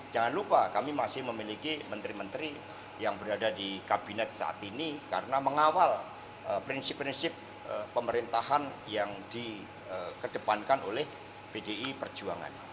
jangan lupa kami masih memiliki menteri menteri yang berada di kabinet saat ini karena mengawal prinsip prinsip pemerintahan yang dikedepankan oleh pdi perjuangan